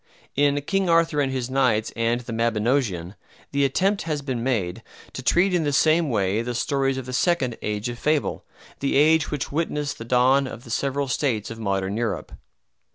In "King Arthur and His Knights" and "The Mabinogeon" the attempt has been made to treat in the same way the stories of the second "age of fable," the age which witnessed the dawn of the several states of Modern Europe.